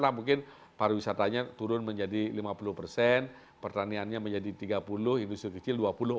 nah mungkin pariwisatanya turun menjadi lima puluh persen pertaniannya menjadi tiga puluh industri kecil dua puluh empat